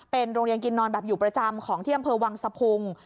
เป็นโรงเรียนกินนอนแบบอยู่ประจำของที่อำเภอวังสะพุง